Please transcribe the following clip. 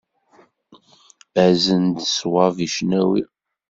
Azen-d ṣwab i cnawi.